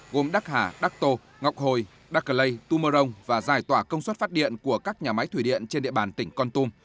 gồm đắc hà đắc tô ngọc hồi đắc lây tum và giải tỏa công suất phát điện của các nhà máy thủy điện trên địa bàn tỉnh con tum